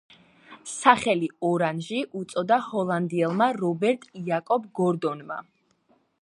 სახელი „ორანჟი“ უწოდა ჰოლანდიელმა რობერტ იაკობ გორდონმა.